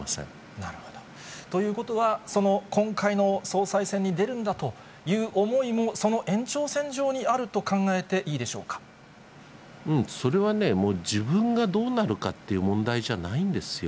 なるほど。ということは、今回の総裁選に出るんだという思いも、その延長線上にあると考えそれはね、もう自分がどうなるかという問題じゃないんですよ。